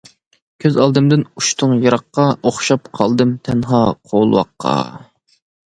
كۆز ئالدىمدىن ئۇچتۇڭ يىراققا، ئوخشاپ قالدىم تەنھا قولۋاققا.